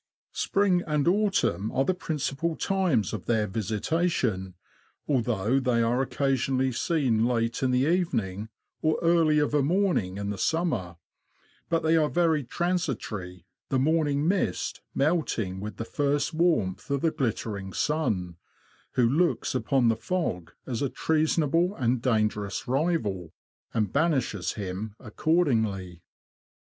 Spring and Autumn are the principal times of their visitation, although they are occasionally seen late in the even ing or early of a morning in the summer; but they are very transitory, the morning mist melting with the first warmth of the glittering sun, who looks upon the fog as a treasonable and dangerous rival, and banishes him accordingly.